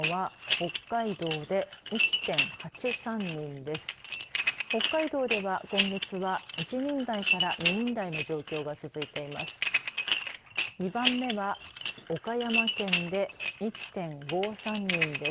北海道では今月は１人台から２人台の状況が続いています。